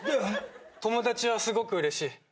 友達はすごくうれしい。